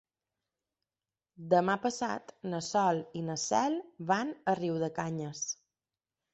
Demà passat na Sol i na Cel van a Riudecanyes.